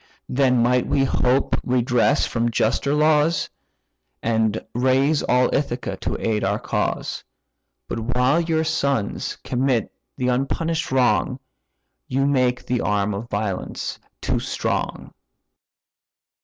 Then might we hope redress from juster laws, And raise all Ithaca to aid our cause: But while your sons commit the unpunish'd wrong, You make the arm of violence too strong."